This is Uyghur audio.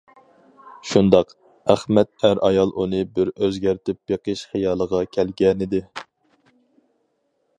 شۇنداق، ئەخمەت ئەر-ئايال ئۇنى بىر ئۆزگەرتىپ بېقىش خىيالىغا كەلگەنىدى.